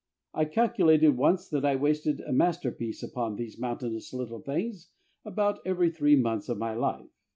I calculated once that I wasted a masterpiece upon these mountainous little things about every three months of my life.